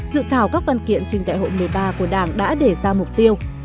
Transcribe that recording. dự thảo các văn kiện trình tại hội một mươi ba của đảng đã để ra mục tiêu